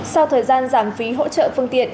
sau thời gian giảm phí hỗ trợ phương tiện